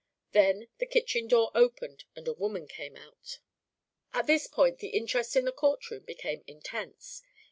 Then the kitchen door opened and a woman came out. At this point the interest in the court room became intense.